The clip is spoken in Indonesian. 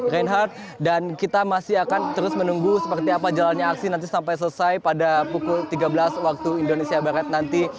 reinhardt dan kita masih akan terus menunggu seperti apa jalannya aksi nanti sampai selesai pada pukul tiga belas waktu indonesia barat nanti